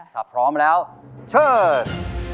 ถ้าพร้อมแล้วเชิญ